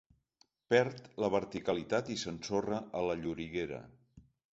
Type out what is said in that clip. Perd la verticalitat i s'ensorra a la lloriguera.